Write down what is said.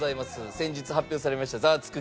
先日発表されました「ザワつく！